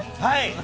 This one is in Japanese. はい。